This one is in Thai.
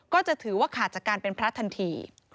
ก็จะถือว่าขาดจากการเป็นพระทันที